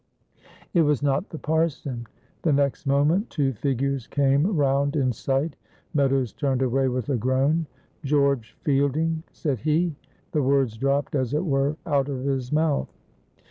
It was not the parson. The next moment two figures came round in sight. Meadows turned away with a groan. "George Fielding!" said he. The words dropped, as it were, out of his mouth.